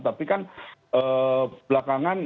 tapi kan belakangan